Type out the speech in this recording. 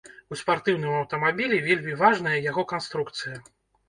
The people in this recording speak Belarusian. У спартыўным аўтамабілі вельмі важная яго канструкцыя.